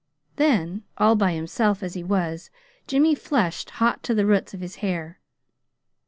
Then, all by himself as he was, Jimmy flushed hot to the roots of his hair.